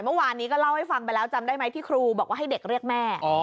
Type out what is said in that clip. เมื่อวานนี้ก็เล่าให้ฟังไปแล้วจำได้ไหมที่ครูบอกว่าให้เด็กเรียกแม่